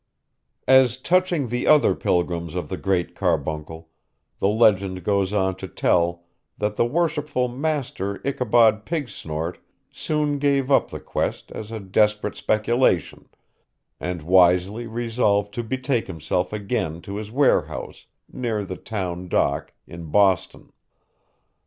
As touching the other pilgrims of the Great Carbuncle, the legend goes on to tell, that the worshipful Master Ichabod Pigsnort soon gave up the quest as a desperate speculation, and wisely resolved to betake himself again to his warehouse, near the town dock, in Boston.